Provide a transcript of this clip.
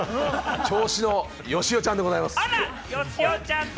調子はよしおちゃんでございます。